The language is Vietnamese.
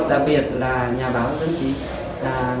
đặc biệt là nhà báo rất là